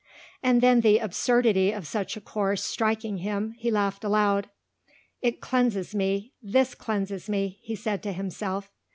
And then the absurdity of such a course striking him he laughed aloud. "It cleanses me! this cleanses me!" he said to himself.